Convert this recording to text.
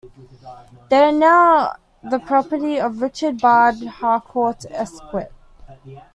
They are now the property of Richard Bard Harcourt esq.